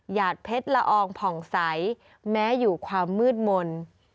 หดเพชรละอองผ่องใสแม้อยู่ความมืดมนต์